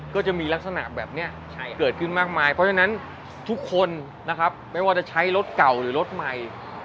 ก็จะมีลักษณะแบบนี้เกิดขึ้นมากมายเพราะฉะนั้นทุกคนนะครับไม่ว่าจะใช้รถเก่าหรือรถใหม่